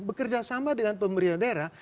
bekerja sama dengan pemerintah daerah